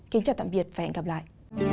xin chào và hẹn gặp lại